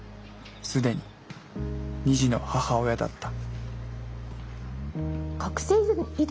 既に二児の母親だった。